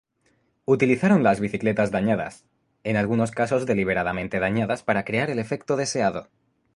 Utilizaron las bicicletas dañadas, en algunos casos deliberadamente dañadas para crear el efecto deseado.